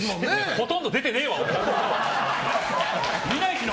ほとんど出てねえわ！